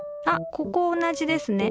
ここ同じですね。